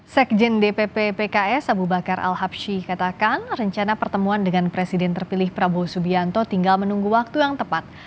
sekjen dpp pks abu bakar al habshi katakan rencana pertemuan dengan presiden terpilih prabowo subianto tinggal menunggu waktu yang tepat